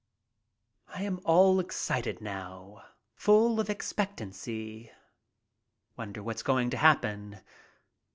I am all excited now; full of expectancy. Wonder what's going to happen.